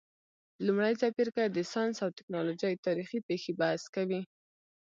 لمړی څپرکی د ساینس او تکنالوژۍ تاریخي پیښي بحث کوي.